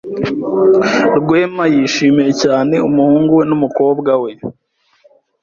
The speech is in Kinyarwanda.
Rwema yishimiye cyane umuhungu we n'umukobwa we.